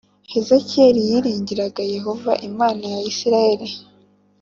Hezekiya yiringiraga Yehova Imana ya Isirayeli